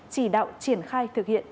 chỉ đạo triển khai thực hiện